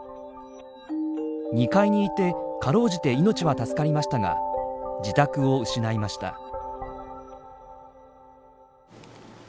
２階にいてかろうじて命は助かりましたが自宅を失いました。